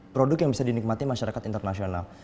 produk yang bisa dinikmati masyarakat internasional